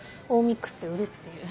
Ｍｉｘで売るっていう。